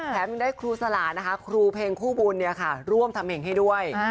แถมยังได้ครูสลานะคะครูเพลงคู่บุญเนี่ยค่ะร่วมทำเห็นให้ด้วย